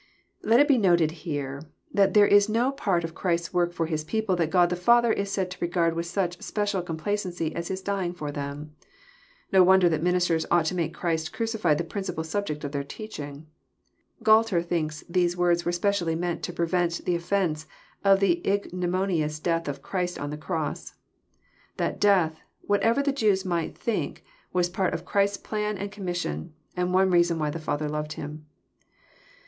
Let it be noted here, that there is no part of Christ's work for His people that God the Father is said to regard with such special complacency as His dying for them. No wonder that ministers onght to make Christ cracified the principal subject of their teaching. Gualter thinks these words were specially meant to prevent the offence of the ignominious death of Christ on the cross. Tliat death, whatever the Jews might think, was part of Christ's plan and commission, and one reason why the Father loved Him.